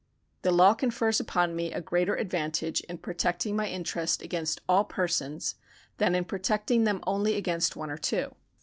The law confers upon me a greater ad vantage in protecting my interests against all persons, than in protecting them only against one or two.